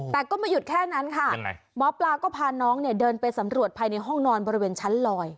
แต่ก็ไม่หยุดแค่นั้นค่ะยังไงหมอปลาก็พาน้องเนี่ยเดินไปสำรวจภายในห้องนอนบริเวณชั้นลอย